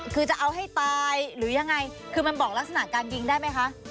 คือจะเอาให้ตายหรือยังไงคือมันบอกลักษณะการยิงได้ไหมคะ